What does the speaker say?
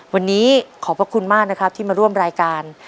วันนี้ขอบพระคุณมากนะครับที่มาร่วมรายการ